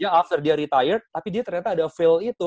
yang after dia retired tapi dia ternyata ada fail itu